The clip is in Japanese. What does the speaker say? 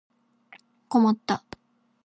困った